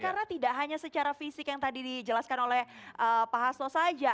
karena tidak hanya secara fisik yang tadi dijelaskan oleh pak hasno saja